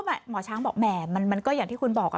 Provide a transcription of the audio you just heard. หมอช้างบอกแหมมันก็อย่างที่คุณบอก